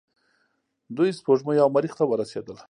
دوی سپوږمۍ او مریخ ته ورسیدل.